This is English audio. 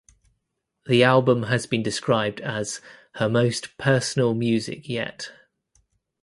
The album has been described as "her most personal music yet".